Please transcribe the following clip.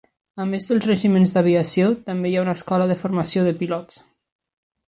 A més dels regiments d'aviació, també hi ha una escola de formació de pilots.